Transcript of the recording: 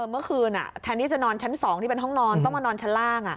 เมื่อคืนแทนที่จะนอนชั้น๒ที่เป็นห้องนอนต้องมานอนชั้นล่าง